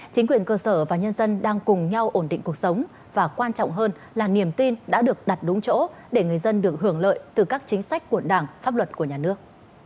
chính quyền cơ sở và nhân dân đang cùng nhau ổn định cuộc sống và quan trọng hơn là niềm tin đã được đặt đúng chỗ để người dân được hưởng lợi từ các chính sách của đảng pháp luật của nhà nước